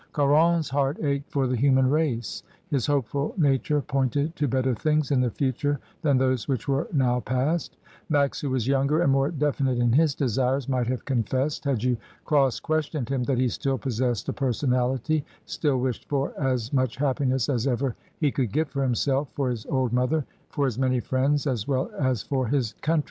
Caron's heart ached for the human race; his hopeful nature pointed to better things in the future than those which were now past Max, who was younger and more definite in his desires, might have confessed, had you cross questioned him, that he still possessed a personality — still wished for as much happiness as ever he could get for himself, for his old mother, for his many friends, as well as for his country.